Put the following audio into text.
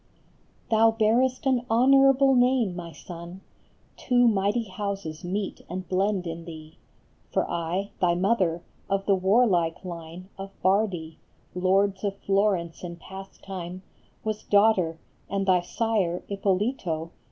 Thou bearest an honorable name, my son, Two mighty houses meet and blend in thee ; For I, thy mother, of the warlike line Of Bardi, lords of Florence in past time, Was daughter, and thy sire Ippolito 94 A FLORENTINE JULIET.